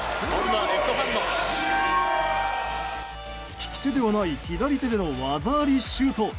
利き手ではない左手での技ありシュート。